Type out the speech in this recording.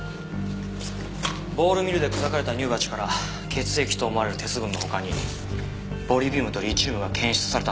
ボールミルで砕かれた乳鉢から血液と思われる鉄分の他にボリビウムとリチウムが検出されたんだ。